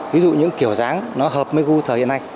ví dụ những kiểu dáng nó hợp với gu thời hiện nay